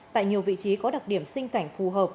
tại nhiều vị trí có đặc điểm sinh cảnh phù hợp